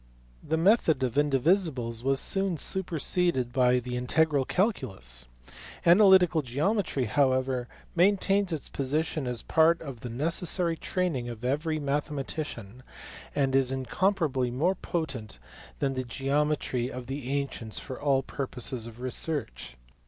The method of indivisibles was soon superseded by the integral calculus. Analytical geometry however maintains its position as part of the necessary training of every mathematician, and is incomparably more potent than the geometry of the ancients for all purposes of research.